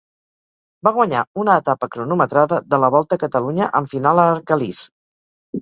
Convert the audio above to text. Va guanyar una etapa cronometrada de la Volta a Catalunya amb final a Arcalís.